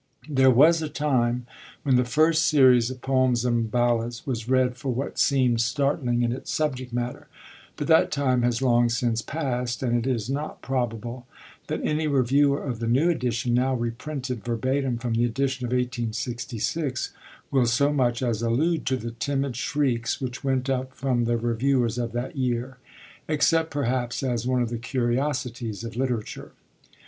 There was a time when the first series of Poems and Ballads was read for what seemed startling in its subject matter; but that time has long since passed, and it is not probable that any reviewer of the new edition now reprinted verbatim from the edition of 1866 will so much as allude to the timid shrieks which went up from the reviewers of that year, except perhaps as one of the curiosities of literature.